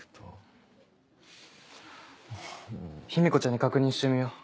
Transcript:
姫子ちゃんに確認してみよう。